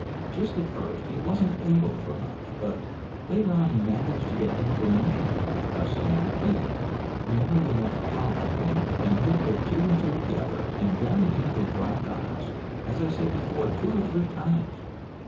Just at first he wasn't able for much, but later on he managed to get information about us and our beat, whenever we left the Hollow, and he put two and two together, and very nearly dropped on us, as I said before, two or three times.